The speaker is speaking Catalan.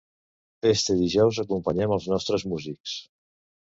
Este dijous acompanyem als nostres músics!